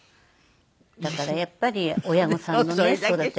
だからやっぱり親御さんのね育て方。